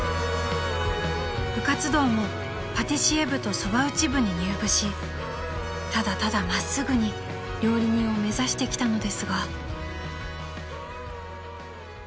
［部活動もパティシエ部とそば打ち部に入部しただただ真っすぐに料理人を目指してきたのですが］